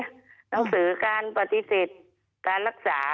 หนังสือการปฏิเสธการรักษา